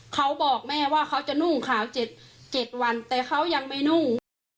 เขาบอกแม่ว่าเขาจะนุ่งขาว๗วันแต่เขายังไม่นุ่ง